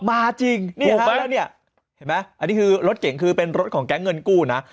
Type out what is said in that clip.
มาจริงถูกมาแล้วเนี่ยเห็นไหมอันนี้คือรถเก่งคือเป็นรถของแก๊งเงินกู้นะ